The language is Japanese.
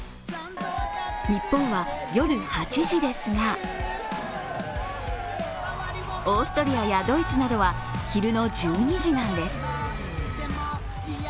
日本は夜８時ですがオーストリアやドイツなどは昼の１２時なんです。